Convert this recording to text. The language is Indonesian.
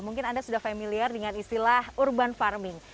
mungkin anda sudah familiar dengan istilah urban farming